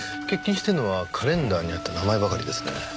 欠勤しているのはカレンダーにあった名前ばかりですね。